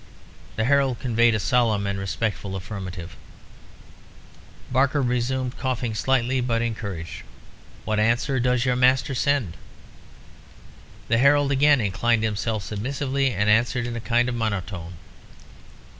The herald conveyed a solemn and respectful affirmative. Barker resumed, coughing slightly, but encouraged. "What answer does your master send?" The herald again inclined himself submissively, and answered in a kind of monotone.